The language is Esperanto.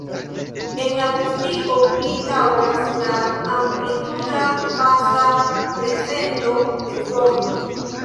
En akustiko pli taŭgas la amplituda-faza prezento de sono.